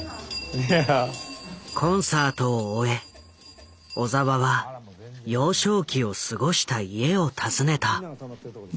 コンサートを終え小澤は幼少期を過ごした家を訪ねた。